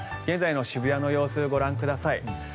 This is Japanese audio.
現在の渋谷の様子ご覧ください。